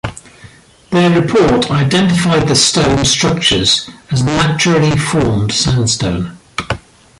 Their report identified the stone structures as naturally formed sandstone.